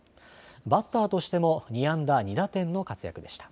バッターとしても２安打２打点の活躍でした。